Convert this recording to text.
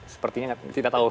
sepertinya kita tahu